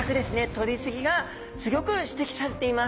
とりすぎがすギョく指摘されています。